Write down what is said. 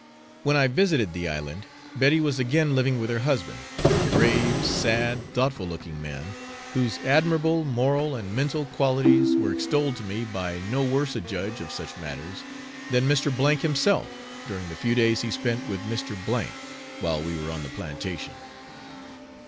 When I visited the island, Betty was again living with her husband a grave, sad, thoughtful looking man, whose admirable moral and mental qualities were extolled to me by no worse a judge of such matters than Mr. K himself, during the few days he spent with Mr. , while we were on the plantation.